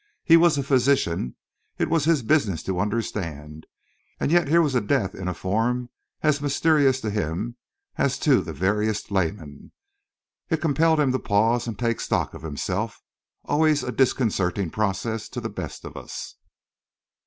He was a physician; it was his business to understand; and yet here was death in a form as mysterious to him as to the veriest layman. It compelled him to pause and take stock of himself always a disconcerting process to the best of us!